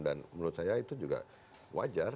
dan menurut saya itu juga wajar